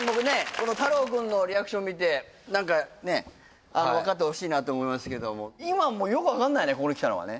この太郎君のリアクション見て何かね分かってほしいなって思いますけども今もよく分かんないね？